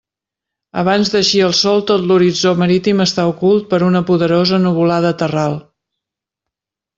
Abans d'eixir el sol tot l'horitzó marítim està ocult per una poderosa nuvolada terral.